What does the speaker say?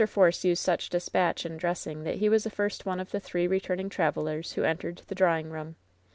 Force used such dispatch in dressing that he was the first one of the three returning travelers who entered the drawing room.